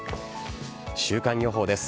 週間予報です。